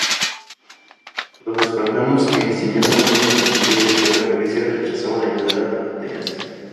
Los espartanos, quienes tenían la mejor infantería de toda Grecia, rechazaban ayudar a Atenas.